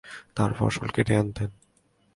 তার ফসল কেটে আনতেন।